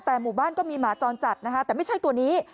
แต่หมู่บ้านก็มีหมาจรจัดนะคะแต่ไม่ใช่ตัวนี้